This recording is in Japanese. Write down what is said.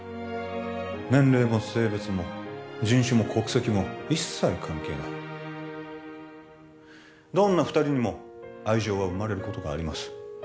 年齢も性別も人種も国籍も一切関係ないどんな二人にも愛情は生まれることがあります